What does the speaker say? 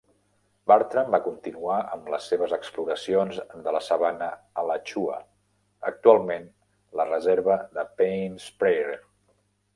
Bartram va continuar amb les seves exploracions de la sabana Alachua, actualment la reserva de Paynes Prairie.